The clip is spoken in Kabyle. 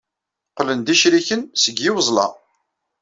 Qqlen d icriken deg yiweẓla.